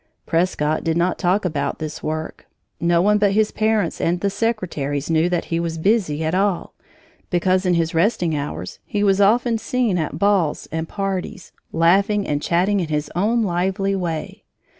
Prescott did not talk about this work. No one but his parents and the secretaries knew that he was busy at all, because in his resting hours he was often seen at balls and parties, laughing and chatting in his own lively way.